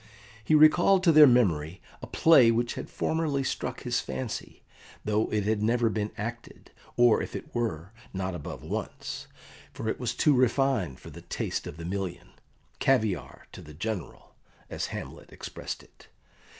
He recalled to their memory a play which had formerly struck his fancy, though it had never been acted, or, if it were, not above once, for it was too refined for the taste of the million "caviare to the general," as Hamlet expressed it.